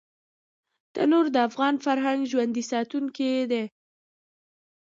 تنور د افغان فرهنګ ژوندي ساتونکی دی